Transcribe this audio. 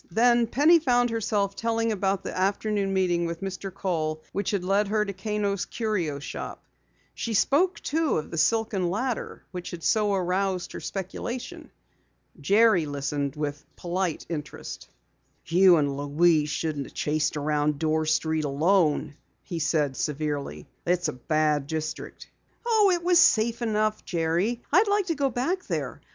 Then Penny found herself telling about the afternoon meeting with Mr. Kohl which had led her to Kano's Curio Shop. She spoke, too, of the silken ladder which had so aroused her speculation. Jerry listened with polite interest. "You and Louise shouldn't have chased around Dorr Street alone," he said severely. "It's a bad district." "Oh, it was safe enough, Jerry. I'd like to go back there.